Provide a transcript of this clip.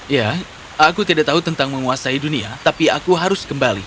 ya aku tidak tahu tentang menguasai dunia tapi aku harus kembali